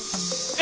え？